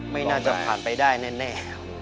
ไม่น่าจะผ่านไปได้แน่